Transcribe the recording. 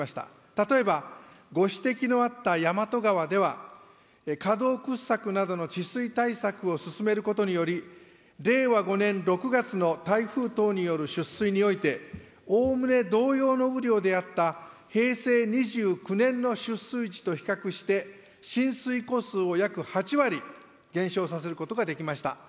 例えば、ご指摘のあった大和川では、河道掘削などの治水対策を進めることにより、令和５年６月の台風等による出水において、おおむね同様の雨量であった平成２９年のしゅっすいちと比較して、浸水戸数を約８割、減少させることができました。